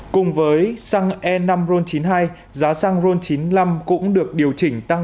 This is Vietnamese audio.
cùng với xăng e năm ron chín mươi hai giá xăng ron chín mươi năm cũng được điều chỉnh tăng